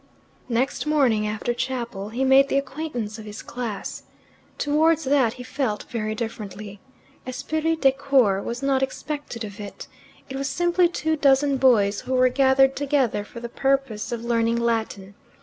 Next morning, after chapel, he made the acquaintance of his class. Towards that he felt very differently. Esprit de corps was not expected of it. It was simply two dozen boys who were gathered together for the purpose of learning Latin.